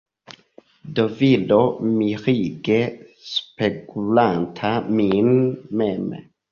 Do viro mirige spegulanta min mem.